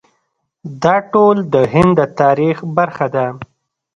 دا ټول د هند د تاریخ برخه ده.